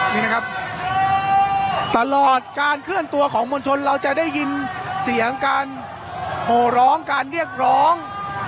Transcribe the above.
นี่นะครับตลอดการเคลื่อนตัวของมวลชนเราจะได้ยินเสียงการโหร้องการเรียกร้อง